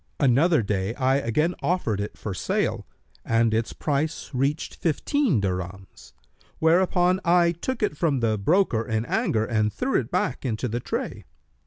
Another day I again offered it for sale and its price reached fifteen dirhams; whereupon I took it from the broker in anger and threw it back into the tray.